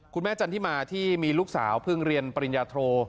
จันทิมาที่มีลูกสาวเพิ่งเรียนปริญญาโท